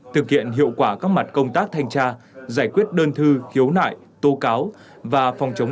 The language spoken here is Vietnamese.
thực hiện hiệu quả các mặt công tác thanh tra giải quyết đơn thư khiếu nại tố cáo và phòng chống